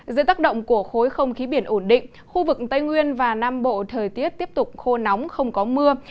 giữa tác động của khối không khí biển ổn định khu vực tây nguyên và nam bộ thời tiết tiếp tục khô nóng không có mưa